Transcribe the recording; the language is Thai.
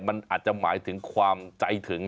มันอาจจะหมายถึงความใจถึง